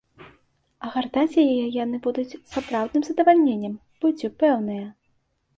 А гартаць яе яны будуць з сапраўдным задавальненнем, будзьце пэўныя!